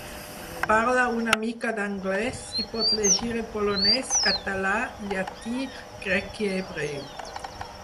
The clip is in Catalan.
Parla una mica d'anglès; i pot llegir en polonès, català, llatí, grec i hebreu.